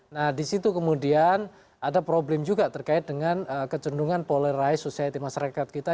nah disitu kemudian ada problem juga terkait dengan kecendungan polarize society masyarakat kita